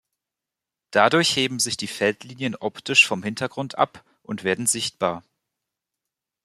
Dadurch heben sich die Feldlinien optisch vom Hintergrund ab und werden sichtbar.